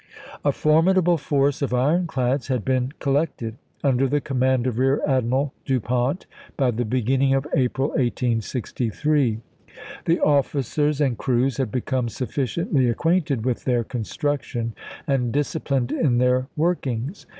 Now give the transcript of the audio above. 1 A formidable force of ironclads had been col lected, under the command of Rear Admiral Du Pont, by the beginning of April, 1863. The officers and crews had become sufficiently acquainted with their construction and disciplined in their work ings.